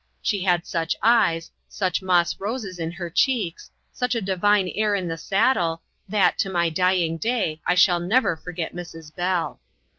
She had such eyes, such moss roses in her cheeks, such a divine air in the saddle, that, to my dying day, I shall never forget Mrs. Bell.